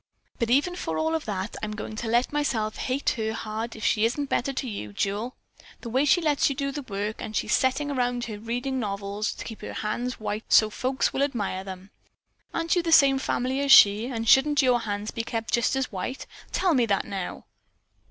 But even for all of that, I'm going to let myself hate her hard if she isn't better to you, Jule. The way she lets you do the work, and she setting around reading novels to keep her hands white so's folks will admire them! Aren't you the same family as she is, and shouldn't your hands be kept just as white? Tell me that now!"